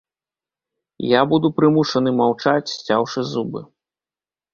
Я буду прымушаны маўчаць, сцяўшы зубы.